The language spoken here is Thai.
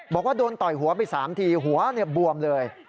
บอกว่าโดนต่อยหัวไป๓ทีหัวบวมเลย